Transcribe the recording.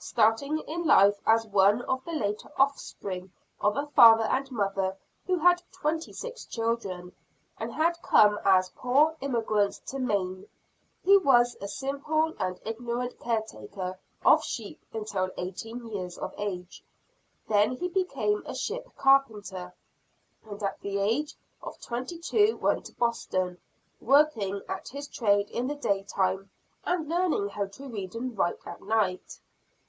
Starting in life as one of the later offspring of a father and mother who had twenty six children, and had come as poor emigrants to Maine, he was a simple and ignorant caretaker of sheep until eighteen years of age. Then he became a ship carpenter; and at the age of twenty two went to Boston, working at his trade in the day time, and learning how to read and write at night.